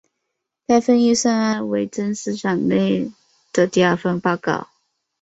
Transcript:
该份预算案为曾司长任内的第二份报告。